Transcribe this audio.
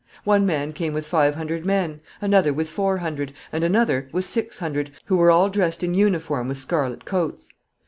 One man came with five hundred men, another with four hundred, and another with six hundred, who were all dressed in uniform with scarlet coats.